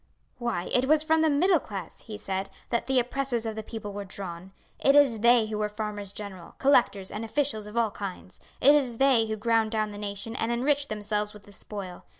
"Why, it was from the middle class," he said, "that the oppressors of the people were drawn. It is they who were farmers general, collectors, and officials of all kinds. It is they who ground down the nation and enriched themselves with the spoil.